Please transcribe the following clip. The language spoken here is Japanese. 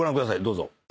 どうぞ。